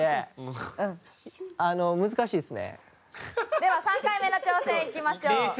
では３回目の挑戦いきましょう。